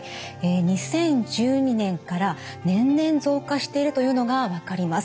２０１２年から年々増加しているというのが分かります。